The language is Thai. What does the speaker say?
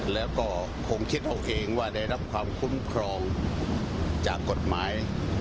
แล้วก็คงคิดเอาเองว่าได้รับความคุ้มครองจากกฎหมาย